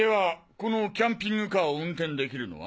このキャンピングカーを運転できるのは？